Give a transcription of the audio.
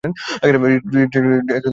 রিটজে ছিলাম আমরা।